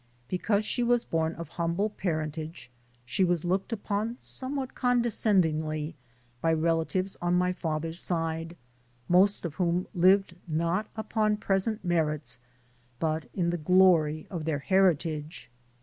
Because she was born of humble parentage, she was looked upon somewhat condescendingly by relatives on my father's side, most of whom lived not upon present merits, but in the glory of their heritage.